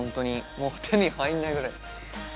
もう手に入んないぐらい。